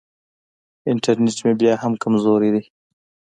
انټرنېټ مې بیا هم کمزوری دی.